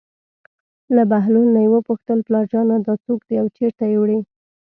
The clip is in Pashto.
له بهلول نه یې وپوښتل: پلارجانه دا څوک دی او چېرته یې وړي.